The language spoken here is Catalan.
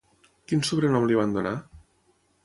Quin sobrenom li van donar?